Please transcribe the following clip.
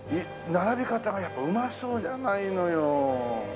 並び方がやっぱうまそうじゃないのよ。